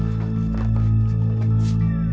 terima kasih pak